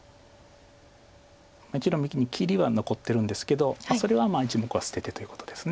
１路右に切りは残ってるんですけどそれは１目は捨ててということです。